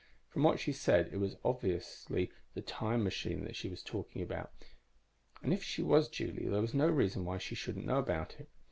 From what she said, it was obviously the time machine she was talking about, and if she was Julie there was no reason why she shouldn't know about it.